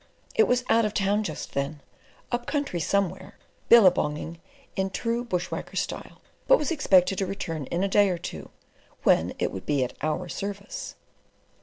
It was out of town just then, up country somewhere, billabonging in true bush whacker style, but was expected to return in a day or two, when it would be at our service.